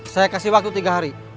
saya kasih waktu tiga hari